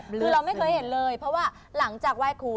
คือเราไม่เคยเห็นเลยเพราะว่าหลังจากไหว้ครู